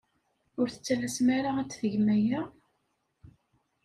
Ur tettalasem ara ad tgem aya!